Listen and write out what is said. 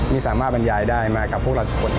ไม่สามารถบรรยายได้มากับพวกเราทุกคน